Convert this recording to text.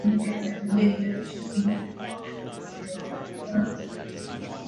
A revolution meantime had broken out in Assyria, and Shalmaneser was deposed.